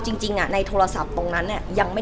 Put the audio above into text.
เหมือนมีคำถามอยู่ในหัวว่า